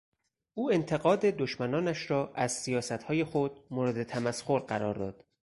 او انتقاد دشمنانش را از سیاستهای خود مورد تمسخر قرار داد.